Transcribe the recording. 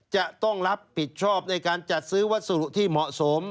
จะต้องรับผิดชอบในการจัดซื้อวัสดุที่เหมาะสม